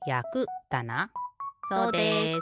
そうです。